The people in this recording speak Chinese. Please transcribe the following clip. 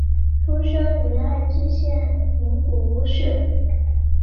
出生于爱知县名古屋市。